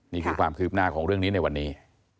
นี่คือความคืบหน้าของเรื่องนี้ในวันนี้